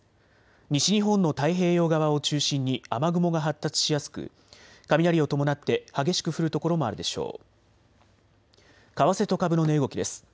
西日本の太平洋側を中心に雨雲が発達しやすく雷を伴って激しく降る所もあるでしょう。